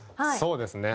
そうですね。